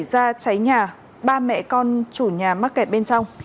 thời điểm xảy ra cháy nhà ba mẹ con chủ nhà mắc kẹt bên trong